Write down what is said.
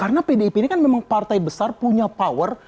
karena pdip ini kan memang partai besar punya power